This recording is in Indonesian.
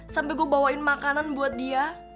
sampai gue bawain makanan buat dia